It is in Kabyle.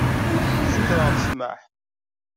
Sutreɣ-d ssmaḥ.